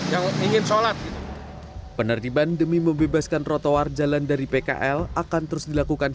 yang ingin sholat penertiban demi membebaskan trotoar jalan dari pkl akan terus dilakukan